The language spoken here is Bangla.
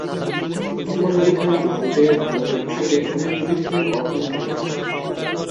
উসমান আলি খান ভারতে ও ভারতের বাইরে অনেক প্রতিষ্ঠানে অর্থ দান করেছেন।